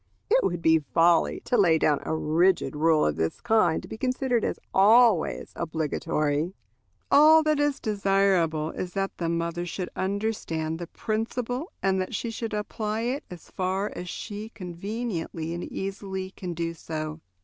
It would be folly to lay down a rigid rule of this kind to be considered as always obligatory. All that is desirable is that the mother should understand the principle, and that she should apply it as far as she conveniently and easily can do so.